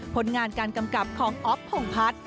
ผลงานการกำกับของอ๊อฟพงพัฒน์